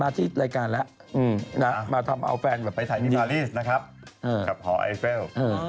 ที่รายการแล้วมาทำเอาแฟนแบบไปถ่ายมินิมาลีสนะครับกับหอไอเฟล